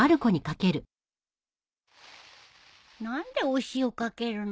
何でお塩掛けるの？